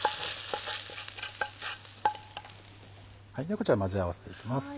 こちら混ぜ合わせていきます。